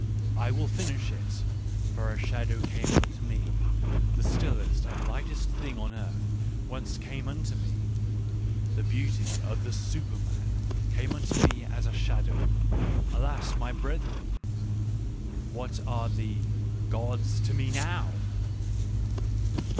" I will finish it : for a shadow came unto me — the stillest and lightest thing on earth once came unto me !" The beauty of the Superman came unto me as a shadow. Alas, my brethren ! What are the — gods to me now